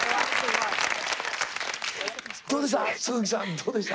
どうでした？